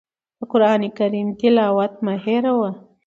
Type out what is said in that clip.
د قرآن کریم تلاوت مه هېروئ.